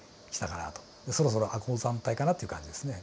そろそろ亜高山帯かなという感じですね。